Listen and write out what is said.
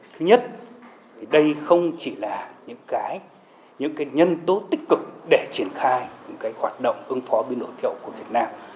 thứ nhất thì đây không chỉ là những nhân tố tích cực để triển khai những hoạt động ứng phó biến đổi khí hậu của việt nam